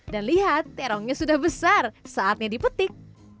dan lihat terongnya sudah besar saatnya dipetik